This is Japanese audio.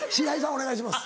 お願いします。